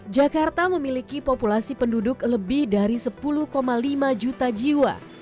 jakarta memiliki populasi penduduk lebih dari sepuluh lima juta jiwa